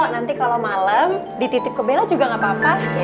nanti kalau malam dititip ke bella juga gak apa apa